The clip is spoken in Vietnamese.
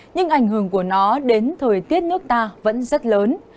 nhưng ảnh hưởng của nó đến thời tiết nước ta vẫn rất lớn